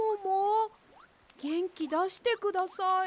げんきだしてください。